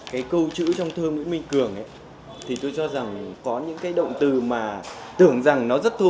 cái câu chữ trong thơ nguyễn minh cường thì tôi cho rằng có những cái động từ mà tưởng rằng nó rất thu